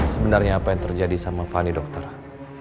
sebenarnya apa yang terjadi sama fani dokter